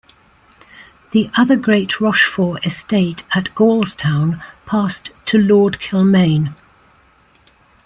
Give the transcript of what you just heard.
The other great Rochfort estate at Gaulstown passed to Lord Kilmaine.